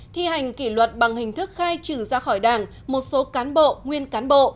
thi hành kỷ luật bằng hình thức khai trừ ra khỏi đảng một số cán bộ nguyên cán bộ